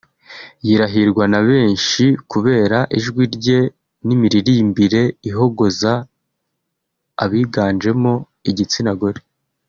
yirahirwa na benshi kubera ijwi rye n’imiririmbire ihogoza abiganjemo igitsina gore